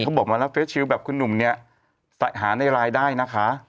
บอกมาแล้วเฟสชิลแบบคุณหนุ่มเนี่ยหาในรายได้นะคะ